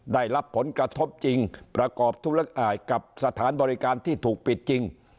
ได้รับผลกระทบจริงประกอบทุลักอายกับสถานบริการที่ถูกปิดจริง